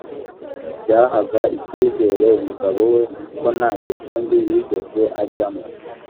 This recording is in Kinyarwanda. byahaga icyizere umugabo we ko nta ngeso mbi yigeze ajyamo